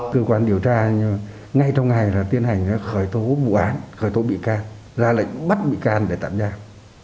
cơ quan điều tra ngay trong ngày đã tiến hành khởi tố vụ án khởi tố bị can ra lệnh bắt bị can để tạm giam